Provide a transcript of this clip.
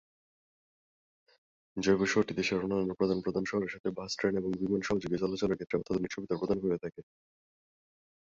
জয়পুর শহরটি দেশের অন্যান্য প্রধান প্রধান শহরের সাথে বাস, ট্রেন এবং বিমান সহযোগে চলাচলের ক্ষেত্রে অত্যাধুনিক সুবিধা প্রদান করে থাকে।